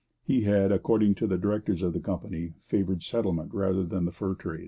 He had, according to the directors of the company, favoured settlement rather than the fur trade.